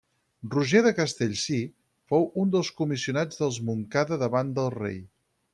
Roger de Castellcir fou un dels comissionats dels Montcada davant del rei.